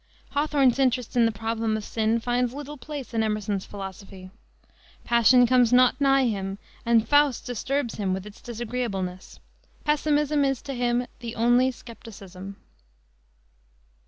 Hawthorne's interest in the problem of sin finds little place in Emerson's philosophy. Passion comes not nigh him and Faust disturbs him with its disagreeableness. Pessimism is to him "the only skepticism."